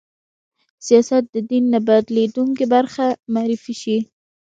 سیاست د دین نه بېلېدونکې برخه معرفي شي